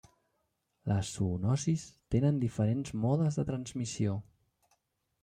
Les zoonosis tenen diferents modes de transmissió.